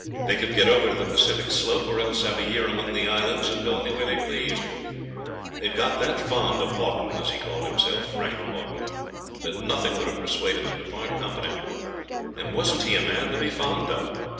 They could get over to the Pacific slope, or else have a year among the Islands, and go anywhere they pleased. They had got that fond of Haughton, as he called himself Frank Haughton that nothing would have persuaded them to part company. And wasn't he a man to be fond of?